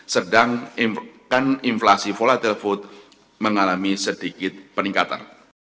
sedangkan inflasi volatile food mengalami sedikit peningkatan